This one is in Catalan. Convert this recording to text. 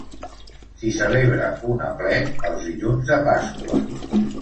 S'hi celebra un aplec els dilluns de Pasqua.